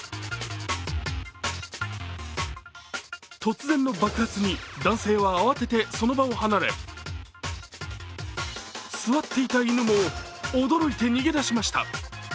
突然の爆発に男性は慌ててその場を離れ座っていた犬も驚いて逃げ出しました。